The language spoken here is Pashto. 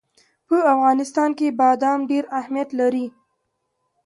په افغانستان کې بادام ډېر اهمیت لري.